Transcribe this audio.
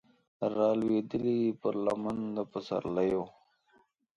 رالویدلې پر لمن د پسرلیو